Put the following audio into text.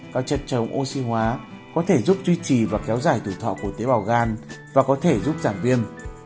các chất chống oxy hóa có thể giúp duy trì và kéo dài tuổi thọ của tế bào gan và có thể giúp giảm viêm